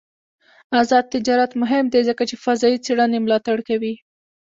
آزاد تجارت مهم دی ځکه چې فضايي څېړنې ملاتړ کوي.